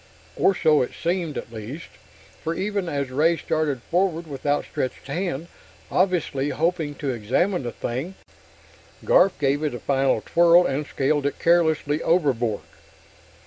Or so it seemed, at least, for even as Ray started forward with outstretched hand, obviously hoping to examine the thing, Garf gave it a final twirl and scaled it carelessly overboard.